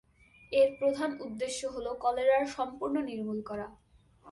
এর প্রধান উদ্দেশ্য হল কলেরার সম্পূর্ণ নির্মূল করা।